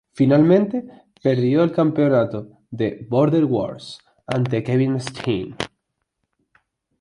Finalmente, perdió el campeonato en "Border Wars" ante Kevin Steen.